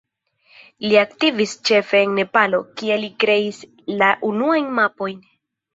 Li aktivis ĉefe en Nepalo, kie li kreis la unuajn mapojn.